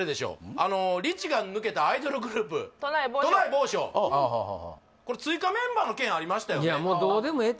あのリチが抜けたアイドルグループこれ追加メンバーの件ありましたよねえっ？